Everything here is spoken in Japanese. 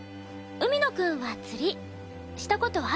海野くんは釣りした事ある？